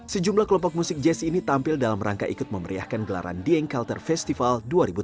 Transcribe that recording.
sejumlah kelompok musik jazz ini tampil dalam rangka ikut memeriahkan gelaran dieng culture festival dua ribu tujuh belas